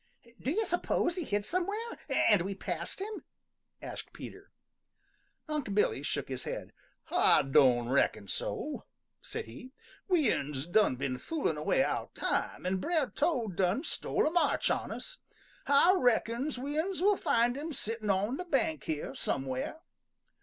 "Do you suppose he hid somewhere, and we passed him?" asked Peter. Unc' Billy shook his head. "Ah don' reckon so," said he. "We uns done been foolin' away our time, an' Brer Toad done stole a march on us. Ah reckons we uns will find him sittin' on the bank here somewhere."